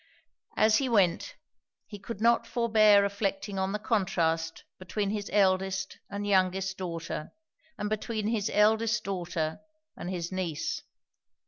As he went, he could not forbear reflecting on the contrast between his eldest and youngest daughter, and between his eldest daughter and his niece.